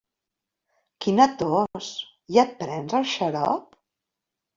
Quina tos, ja et prens el xarop?